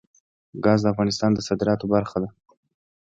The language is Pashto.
ګاز د افغانستان د صادراتو برخه ده.